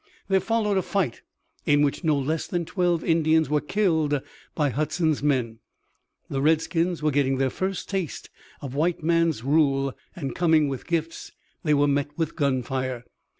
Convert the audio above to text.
There followed a fight in which no less than twelve Indians were killed by Hudson's men; the redskins were getting their first taste of white man's rule, and coming with gifts they were met with gunfire.